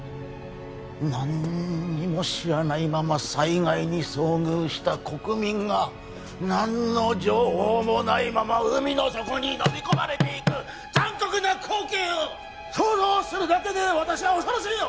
何にも知らないまま災害に遭遇した国民が何の情報もないまま海の底にのみ込まれていく残酷な光景を想像するだけで私は恐ろしいよ！